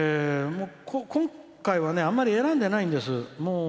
今回は、あまり選んでないんです。